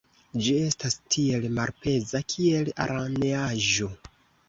Ĝi estas tiel malpeza, kiel araneaĵo!